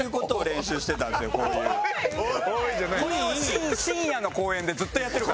これを深夜の公園でずっとやってるから。